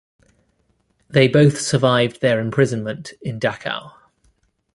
They both survived their imprisonment in Dachau.